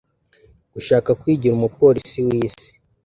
Gushaka kwigira umupolisi w’Isi